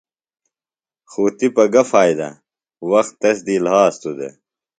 خوۡ تِپہ گہ فائدہ وخت تس دی لھاستُوۡ دےۡ۔